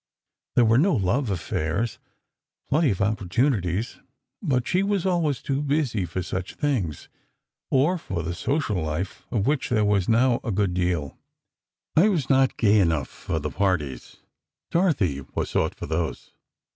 There were no love affairs. Plenty of opportunities, but she was always too busy for such things, or for the social life, of which there was now a good deal. "I was not gay enough for the parties; Dorothy was sought, for those.